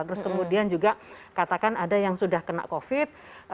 terus kemudian juga katakan ada yang sudah kena covid